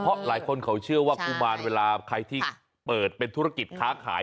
เพราะหลายคนเขาเชื่อว่ากุมารเวลาใครที่เปิดเป็นธุรกิจค้าขาย